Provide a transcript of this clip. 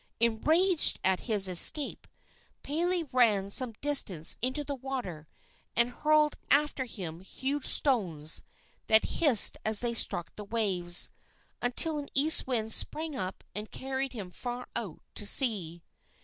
Enraged at his escape, Pele ran some distance into the water and hurled after him huge stones, that hissed as they struck the waves, until an east wind sprang up and carried him far out to sea.